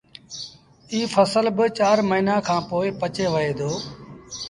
ايٚ ڦسل با چآر موهيݩآ کآݩ پو پچي وهي دو